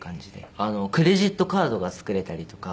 クレジットカードが作れたりとか。